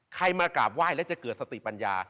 มากราบไหว้แล้วจะเกิดสติปัญญา